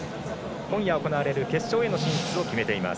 今夜行われる決勝への進出を決めています。